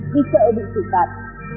vì sợ bị xỉ tạt